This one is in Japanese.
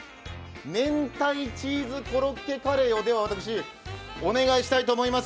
明太チーズコロッケカレーをお願いしたいと思います。